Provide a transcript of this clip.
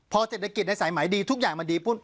พอเศรษฐกิจในสายไหมดีทุกอย่างมันดีปุ๊บ